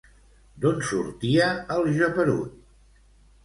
D'on sortia el geperut?